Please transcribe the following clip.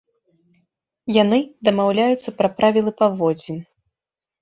Яны дамаўляюцца пра правілы паводзін.